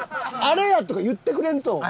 「あれや！」とか言ってくれんと。